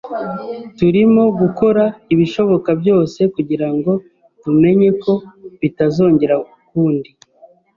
Turimo gukora ibishoboka byose kugirango tumenye ko bitazongera ukundi.